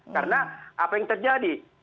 karena apa yang terjadi